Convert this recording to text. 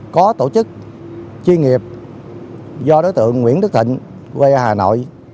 có tổ chức chuyên nghiệp do đối tượng nguyễn đức thịnh quê hà nội